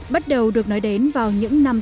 bắt đầu được nói đến vào những vấn đề này